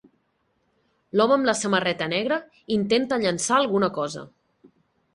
L'home amb la samarreta negra intenta llançar alguna cosa.